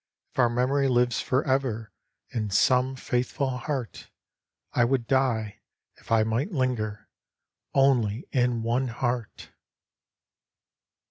If our memory lives for ever In some faithful heart ?— I would die, if I might linger Only in one heart